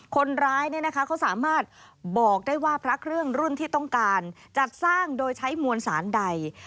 คนร้ายเขาสามารถบอกได้ว่าพระเครื่องรุ่นที่ต้องการจัดสร้างโดยใช้มวลสารใด